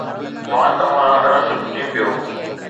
وات مان رس ٽٽي پيو